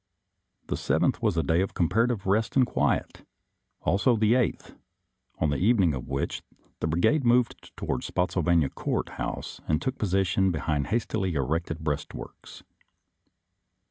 The 7th was a day of comparative rest and quiet; also the 8th, on the evening of which day the brigade moved toward Spottsylvania Court House and took position behind hastily erected breastworks.